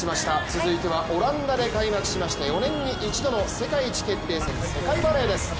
続いてはオランダで開幕しました４年に一度の世界一決定戦世界バレーです。